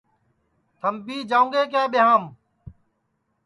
تھمبی جاؤں گے کیا ٻیایم